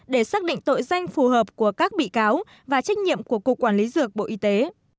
để xác định tội danh phù hợp của các bị cáo và trách nhiệm của cục quản lý dược bộ y tế